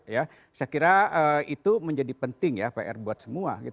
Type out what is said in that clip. saya kira itu menjadi penting ya pr buat semua